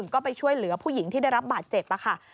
ก็ไปช่วยเหลือผู้หญิงที่ได้รับบาดเจ็บค่ะ